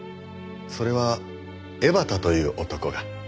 それは江端という男が。